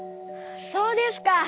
そうですか。